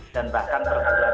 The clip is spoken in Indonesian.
dan bahkan perguruan tinggi